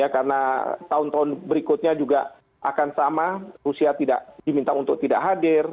karena tahun tahun berikutnya juga akan sama rusia diminta untuk tidak hadir